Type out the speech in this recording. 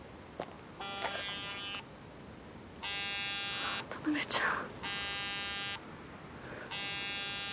あぁ田辺ちゃん。